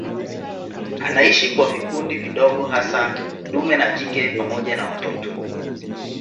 Anaishi kwa vikundi vidogo hasa dume na jike pamoja na watoto.